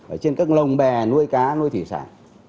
ở trên các lồng bè nuôi cá nuôi thủy sản